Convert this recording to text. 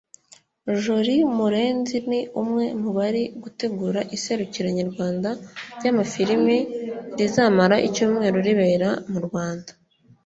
Jolie Murenzi ni umwe mu bari gutegura iserukira nyarwanda ry’amafilimi rizamara icyumweru ribera mu Rwanda